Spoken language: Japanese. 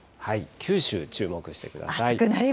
九州、注目してください。